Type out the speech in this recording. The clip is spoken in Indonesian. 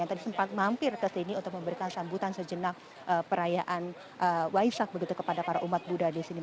tapi retes ini untuk memberikan sambutan sejenak perayaan waisak begitu kepada para umat budaya di sini